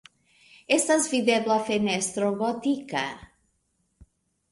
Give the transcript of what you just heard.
Estas videbla fenestro gotika.